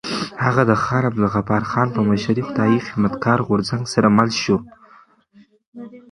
هغه د خان عبدالغفار خان په مشرۍ خدایي خدمتګار غورځنګ سره مل شو.